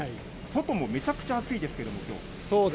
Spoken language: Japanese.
外もめちゃくちゃ暑いですけど、きょう。